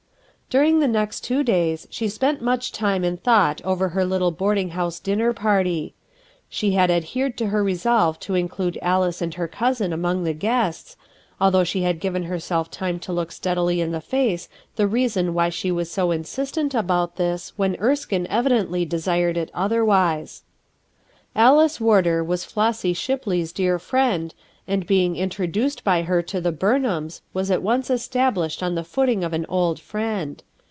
During the next two days she spent much time and thought over her little boarding house dinner party. She had adhered to her resolve to include Alice and her cousin among the guests, although she had given herself time to look steadily in the face the reason why she was so insistent about this when Erskine evi dently desired it otherwise Alice Warder was Flossy Shipley's dear friend, and being introduced by her to the Burnhams was at once established on the footing of an old friend.